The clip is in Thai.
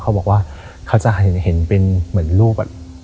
เขาบอกว่าเขาจะเห็นเป็นเหมือนรูปแบบ